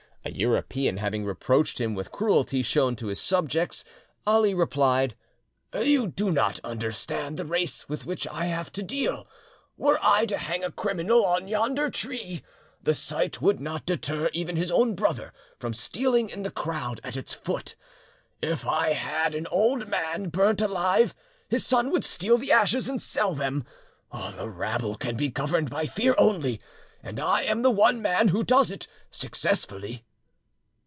A European having reproached him with the cruelty shown to his subjects, Ali replied:— "You do not understand the race with which I have to deal. Were I to hang a criminal on yonder tree, the sight would not deter even his own brother from stealing in the crowd at its foot. If I had an old man burnt alive, his son would steal the ashes and sell them. The rabble can be governed by fear only, and I am the one man who does it successfully."